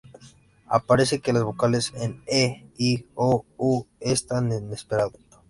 Aparece que las vocales un, e, i, o, u es tan en esperanto.